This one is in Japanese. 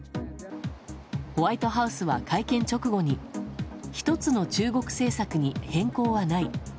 ホワイトハウスは会見直後に一つの中国政策に変更はない。